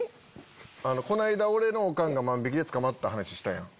この間俺のオカンが万引きで捕まった話したやん。